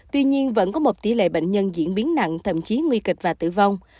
tuy nhiên vẫn có một tỷ lệ bệnh nhân diễn biến nặng thậm chí nguy kịch và tử vong